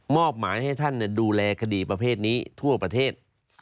อบหมายให้ท่านดูแลคดีประเภทนี้ทั่วประเทศ